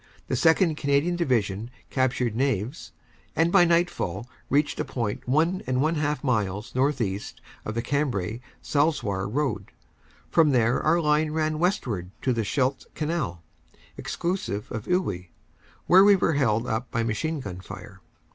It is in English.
The 2nd. Canadian Division captured Naves, and by nightfall reached a point one and a half miles northeast on the Cambrai Salzoir road. From there our line ran westwards to the Scheldt Canal, exclusive of Iwuy, where we were held up by machine gun fire.